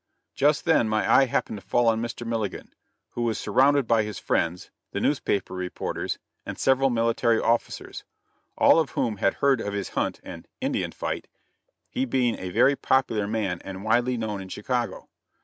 Just then my eye happened to fall on Mr. Milligan, who was surrounded by his friends, the newspaper reporters, and several military officers, all of whom had heard of his hunt and "Indian fight" he being a very popular man, and widely known in Chicago.